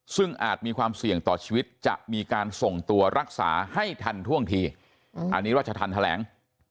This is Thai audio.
ซึ่งอาจมีความเสี่ยงต่อชีวิตจะมีการส่งตัวรักษาให้ทันท่วงทีอันนี้ราชธรรมแถลง